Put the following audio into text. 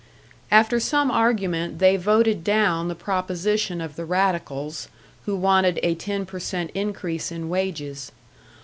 After some argument they voted down the proposition of the radicals, who wanted a ten per cent. increase in wages.